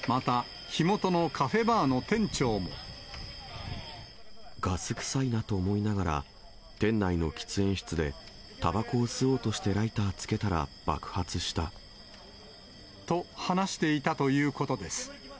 また、ガス臭いなと思いながら、店内の喫煙室でたばこを吸おうとしてライターつけたら、爆発した。と、話していたということです。